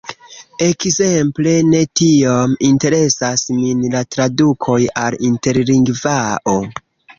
Ekzemple, ne tiom interesas min la tradukoj al Interlingvao.